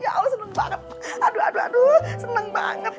ya allah seneng banget aduh aduh seneng banget